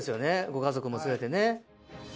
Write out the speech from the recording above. ご家族も連れてね。